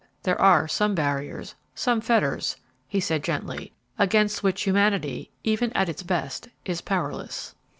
"There are some barriers, some fetters," he said, gently, "against which humanity, even at its best, is powerless."